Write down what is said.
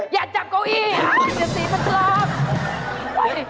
อย่าจับเก้าอี้เดี๋ยวสีมัดกรอบ